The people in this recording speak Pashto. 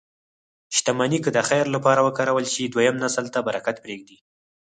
شتمني که د خیر لپاره وکارول شي، دویم نسل ته برکت پرېږدي.